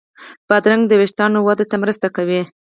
بادرنګ د وېښتانو وده ته مرسته کوي.